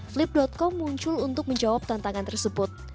flip com muncul untuk menjawab tantangan tersebut